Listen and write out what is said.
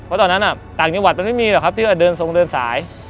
เพราะตอนนั้นแต่งนิวัฒน์ก็ไม่มีหรอกนะครับที่ไม่มีกรุงการเดินสาย